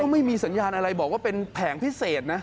ไม่มีสัญญาณอะไรบอกว่าเป็นแผงพิเศษนะ